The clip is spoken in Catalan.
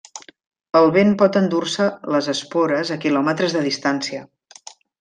El vent pot endur-se les espores a quilòmetres de distància.